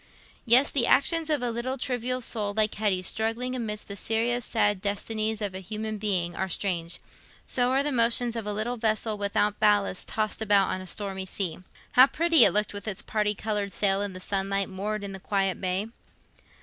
Yes, the actions of a little trivial soul like Hetty's, struggling amidst the serious sad destinies of a human being, are strange. So are the motions of a little vessel without ballast tossed about on a stormy sea. How pretty it looked with its parti coloured sail in the sunlight, moored in the quiet bay!